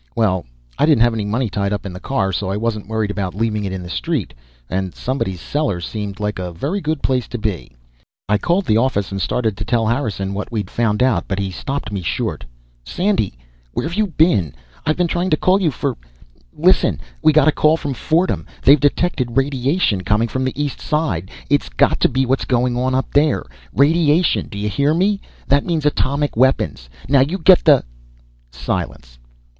Well, I didn't have any money tied up in the car, so I wasn't worried about leaving it in the street. And somebody's cellar seemed like a very good place to be. I called the office and started to tell Harrison what we'd found out; but he stopped me short. "Sandy, where've you been? I've been trying to call you for Listen, we got a call from Fordham. They've detected radiation coming from the East Side it's got to be what's going on up there! Radiation, do you hear me? That means atomic weapons! Now, you get th " Silence.